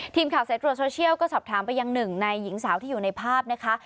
ทีมข่าวสายตรวจโซเชียลก็สอบถามไปยังหนึ่งในหญิงสาวที่อยู่ในภาพนะคะ